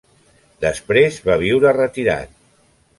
Després va viure retirat.